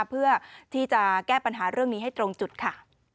เพื่อที่จะแก้ปัญหาเรื่องนี้ให้ตรงจุดค่ะ